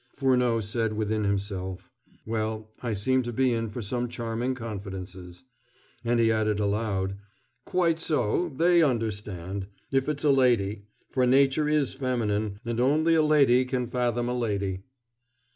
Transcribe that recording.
Furneaux said within himself: "Well, I seem to be in for some charming confidences"; and he added aloud: "Quite so; they understand if it's a lady: for Nature is feminine; and only a lady can fathom a lady."